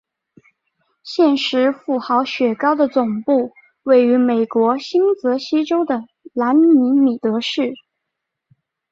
现时富豪雪糕的总部位于美国新泽西州的兰尼米德市。